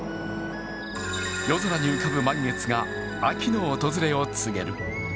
夜空に浮かぶ満月が秋の訪れを告げる。